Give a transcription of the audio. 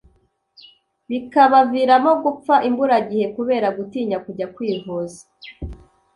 bikabaviramo gupfa imburagihe kubera gutinya kujya kwivuza